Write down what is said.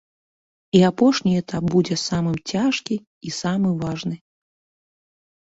І апошні этап будзе самы цяжкі і самы важны.